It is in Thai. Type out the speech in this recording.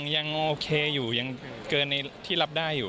ยังโอเคอยู่ยังเกินในที่รับได้อยู่